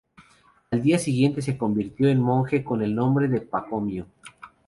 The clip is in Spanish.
Al día siguiente se convirtió en monje con el nombre de Pacomio.